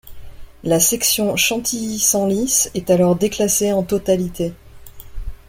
La section Chantilly - Senlis est alors déclassée en totalité.